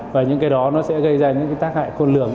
và những cái đó nó sẽ gây ra những tác hại khôn lượng